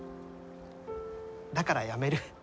だからやめる。